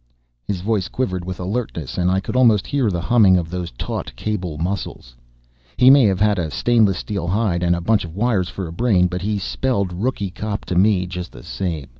His voice quivered with alertness and I could almost hear the humming of those taut cable muscles. He may have had a stainless steel hide and a bunch of wires for a brain but he spelled rookie cop to me just the same.